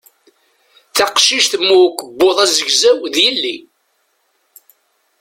Taqcict mm ukebbuḍ azegzaw d yelli.